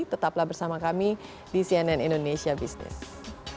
tetaplah bersama kami di cnn indonesia business